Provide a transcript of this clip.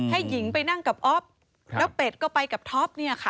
หญิงไปนั่งกับอ๊อฟแล้วเป็ดก็ไปกับท็อปเนี่ยค่ะ